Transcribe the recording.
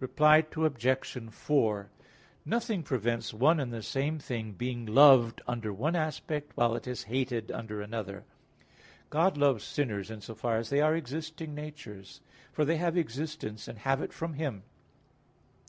Reply Obj. 4: Nothing prevents one and the same thing being loved under one aspect, while it is hated under another. God loves sinners in so far as they are existing natures; for they have existence and have it from Him.